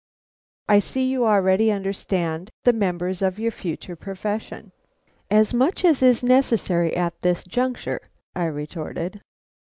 "I see you already understand the members of your future profession." "As much as is necessary at this juncture," I retorted.